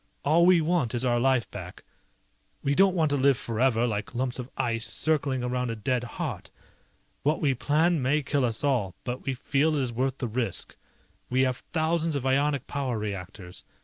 All we want is our life back. We don't want to live forever like lumps of ice circling around a dead heart. What we plan may kill us all, but we feel it is worth the risk. We have thousands of ionic power reactors.